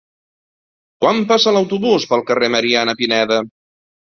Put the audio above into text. Quan passa l'autobús pel carrer Mariana Pineda?